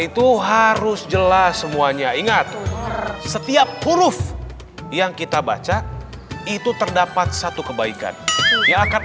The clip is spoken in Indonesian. itu harus jelas semuanya ingat setiap huruf yang kita baca itu terdapat satu kebaikan yang akan